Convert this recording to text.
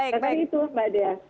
jadi itu mbak dea